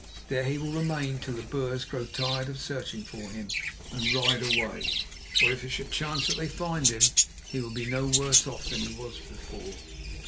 There he will remain till the Boers grow tired of searching for him and ride away. Or if it should chance that they find him, he will be no worse off than he was before."